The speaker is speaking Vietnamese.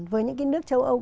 với những cái nước châu âu